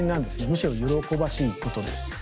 むしろ喜ばしいことです。